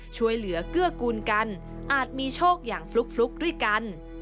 ช่วยเหลือเกื้อกูลกันอาจมีโชคอย่างฟลุกด้วยกัน